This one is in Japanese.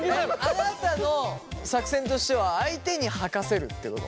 あなたの作戦としては相手に吐かせるってこと？